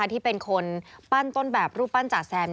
ที่เป็นคนปั้นต้นแบบรูปปั้นจ๋าแซม